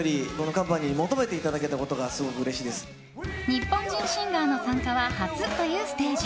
日本人シンガーの参加は初というステージ。